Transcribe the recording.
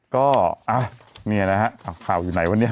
ก็นี่นะฮะข่าวอยู่ไหนวันนี้